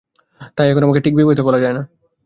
তাই, এখন আমাকে ঠিক বিবাহিত বলা যায় না।